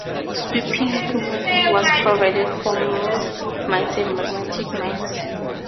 Sweeping equipment was provided for moored mines and magnetic mines.